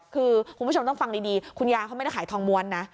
คือคุณผู้ชมต้องฟังดีคุณยายเขาไม่ได้ขายทองม้วนนะ